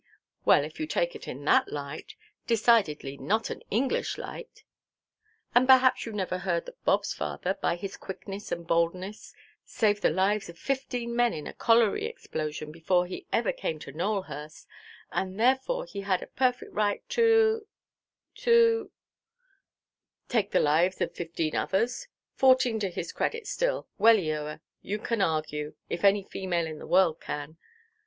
"Well, if you take it in that light—decidedly not an English light——" "And perhaps you never heard that Bobʼs father, by his quickness and boldness, saved the lives of fifteen men in a colliery explosion before he ever came to Nowelhurst, and therefore he had a perfect right to—to——" "Take the lives of fifteen others. Fourteen to his credit still. Well, Eoa, you can argue, if any female in the world can.